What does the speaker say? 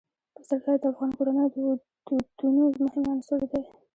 پسرلی د افغان کورنیو د دودونو مهم عنصر دی.